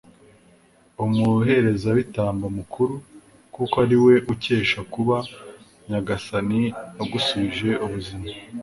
umuherezabitambo mukuru, kuko ari we ukesha kuba nyagasani agusubije ubuzima